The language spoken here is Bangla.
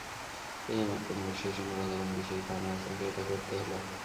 এই আমার প্রথম ও শেষ অনুরোধ এবং বিশেষ ঘটনাচক্রে এটা করতে হল।